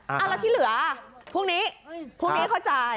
แล้วที่เหลือพรุ่งนี้เขาจ่าย